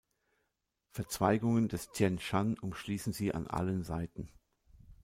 Verzweigungen des Tien Shan umschließen sie an allen Seiten.